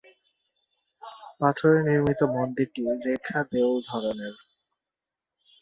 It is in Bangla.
পাথরে নির্মিত মন্দিরটি রেখা দেউল ধরনের।